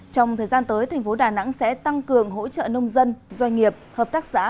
trong thời gian tới tp đà nẵng sẽ tăng cường hỗ trợ nông dân doanh nghiệp hợp tác giã